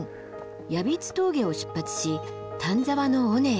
ヤビツ峠を出発し丹沢の尾根へ。